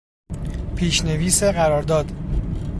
پیشنویس قرارداد